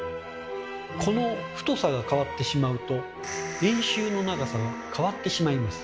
この太さが変わってしまうと円周の長さが変わってしまいます。